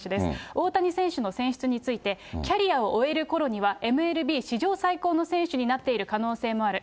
大谷選手の選出について、キャリアを終えるころには、ＭＬＢ史上最高の選手になっている可能性もある。